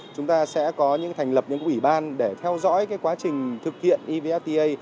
chúng ta sẽ có những thành lập những ủy ban để theo dõi quá trình thực hiện evfta